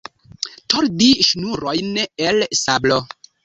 Tordi ŝnurojn el sablo.